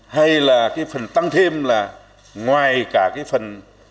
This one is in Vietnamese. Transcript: hay là cái phần tăng thêm là ngoài cả cái phần